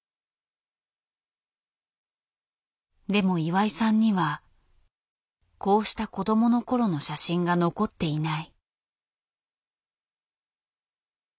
でも岩井さんにはこうした子どもの頃の写真が残っていない。